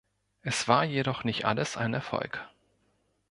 Es war jedoch nicht alles ein Erfolg.